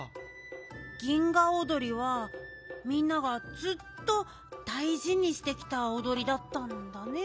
銀河おどりはみんながずっとだいじにしてきたおどりだったんだね。